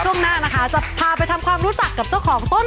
ช่วงหน้านะคะจะพาไปทำความรู้จักกับเจ้าของต้น